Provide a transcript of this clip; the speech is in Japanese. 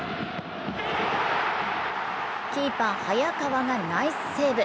キーパー・早川がナイスセーブ。